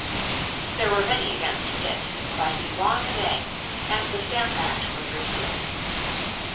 There were many against Pitt, but he won the day, and the Stamp Act was repealed.